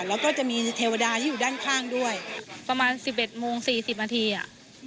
แล้วก็จะมีเทวดาที่อยู่ด้านข้างด้วยประมาณสิบเอ็ดโมงสี่สิบนาทีอ่ะ